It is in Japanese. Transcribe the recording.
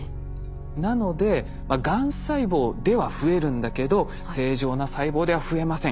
なのでがん細胞では増えるんだけど正常な細胞では増えません